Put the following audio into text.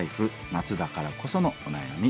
夏だからこそのお悩み